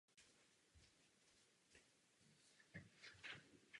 Když měl pět let přestěhoval se s rodiči z Vídně do Prahy.